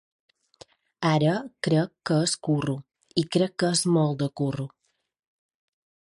Ara, crec que és curro i crec que és molt de curro.